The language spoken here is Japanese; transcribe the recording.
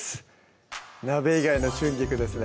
「鍋以外の春菊」ですね